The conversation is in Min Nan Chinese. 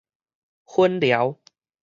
粉寮